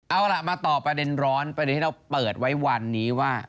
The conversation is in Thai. เอาล่ะมาต่อประเด็นร้อนประเด็นที่เราเปิดไว้วันนี้ว่า